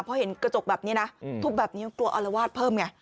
พอเห็นกระจกแบบนี้นะทุบแบบนี้มันกลัวอารวาสเพิ่มไง